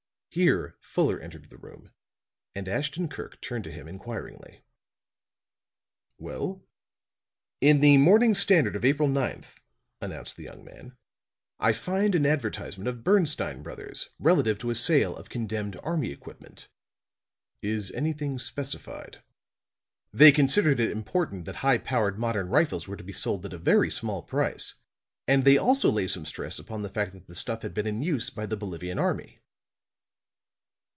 Here Fuller entered the room, and Ashton Kirk turned to him inquiringly. "Well?" "In the morning Standard of April 9th," announced the young man, "I find an advertisement of Bernstine Brothers relative to a sale of condemned army equipment." "Is anything specified?" "They considered it important that high power modern rifles were to be sold at a very small price. And they also lay some stress upon the fact that the stuff had been in use by the Bolivian army."